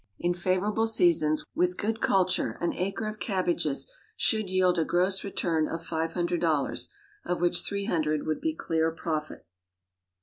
In favorable seasons, with good culture, an acre of cabbages should yield a gross return of five hundred dollars, of which three hundred would be clear profit.